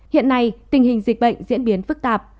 hiện nay tình hình dịch bệnh diễn biến phức tạp